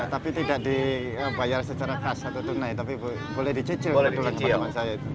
tapi tidak dibayar secara kas atau tunai tapi boleh dicicil ke teman saya itu